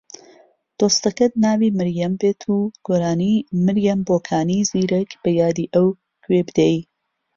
دۆستەکەت ناوی مریەم بێت و گۆرانی مریەم بۆکانی زیرەک بە یادی ئەو گوێ بدەی